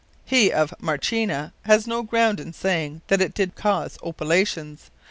He of Merchena had no ground in saying, that it did cause Opilations.